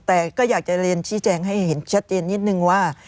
แต่ก็อยากจะเรียนชี้แจงให้เห็นชัดเจนนิดนึงว่า